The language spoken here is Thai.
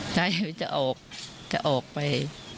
ใครจะออกจะออกไป